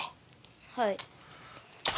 はい。